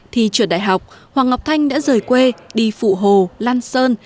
thì trường đại học hoàng ngọc thanh đã rời quê đi phụ hồ lan sơn